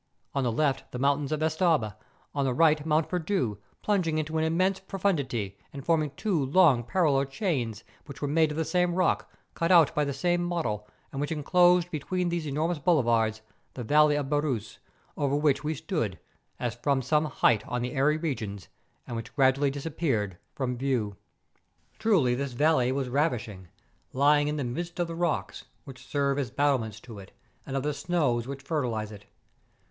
On the left the mountains of Estaube, on the right Mont Perdu, plunging into an immense pro¬ fundity, and forming two long parallel chains, which were made of the same rock, cut out by the same model, and which enclosed between these enormous boulevards the valley of Beousse, over which we stood, as from some height on the airy regions, and which gradually disappeared from view. Truly this valley was ravishing, lying in the midst of the rocks, which serve as battlements to it, and of the snows which fertilize it.